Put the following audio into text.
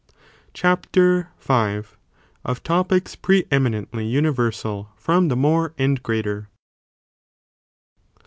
Cuap. V.—Of Topics pre eminently Universal 'from the more and greater.